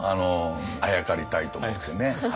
あやかりたいと思ってね。